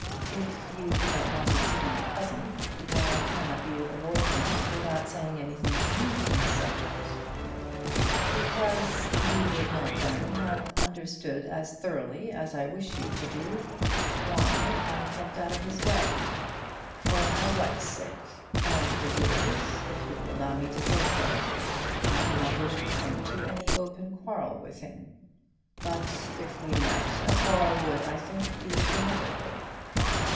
"If you do not want to see my cousin, why cannot you avoid him without saying anything to me on the subject?" "Because you would not then have understood as thoroughly as I wish you to do why I kept out of his way. For my wife's sake, and for yours, if you will allow me to say so, I do not wish to come to any open quarrel with him; but if we met, a quarrel would, I think, be inevitable.